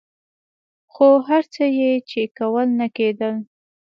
خو هر څه یې چې کول نه کېدل.